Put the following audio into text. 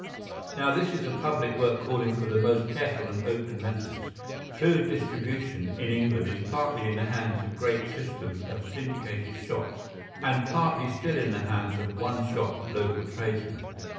Now this is a public work calling for the most careful and open methods. Food distribution in England is partly in the hands of great systems of syndicated shops and partly still in the hands of one shop local tradesmen.